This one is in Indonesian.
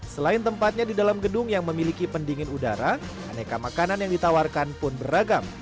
selain tempatnya di dalam gedung yang memiliki pendingin udara aneka makanan yang ditawarkan pun beragam